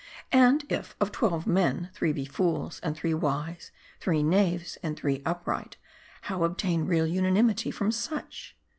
And if, of twelve men, three be fools, and three wise, three knaves, and three upright, how obtain real unanimity from such